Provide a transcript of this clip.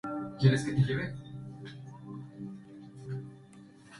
Él intenta explícitamente explicarle este principio al lector.